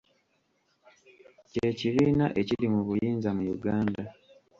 Kye kibiina ekiri mu buyinza mu Uganda